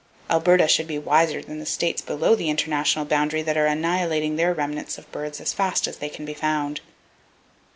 Alberta should be wiser than the states below the international boundary that are annihilating their remnants of birds as fast as they can be found.